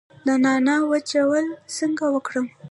د نعناع وچول څنګه وکړم؟